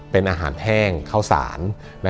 เป็นอาหารแห้งข้าวสาร